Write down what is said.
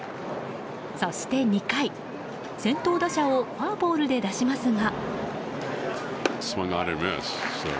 そして２回、先頭打者をフォアボールで出しますが。